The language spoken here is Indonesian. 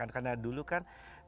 karena dulu kan